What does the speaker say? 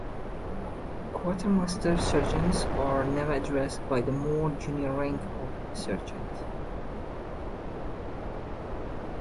Quartermaster sergeants are never addressed by the more junior rank of "sergeant".